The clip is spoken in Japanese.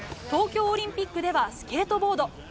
東京オリンピックではスケートボード。